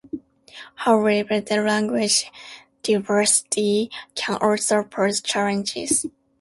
However, the language diversity can also pose challenges.